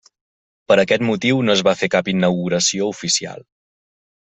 Per aquest motiu, no es va fer cap inauguració oficial.